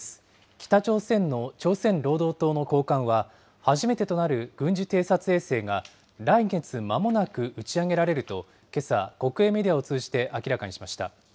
北朝鮮の朝鮮労働党の高官は、初めてとなる軍事偵察衛星が、来月まもなく打ち上げられると、けさ、国営メディアを通じて明らかにしました。